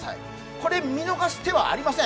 これ見逃す手はありません。